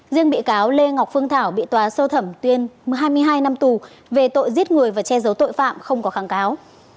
riêng bị cáo lê ngọc phương thảo bị tòa sơ thẩm tuyên hai mươi hai năm tù về tội giết người và che giấu tội phạm không có kháng cáo